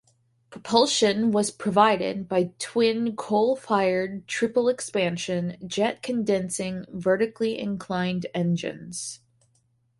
Propulsion was provided by twin coal-fired triple-expansion, jet-condensing, vertically inclined engines.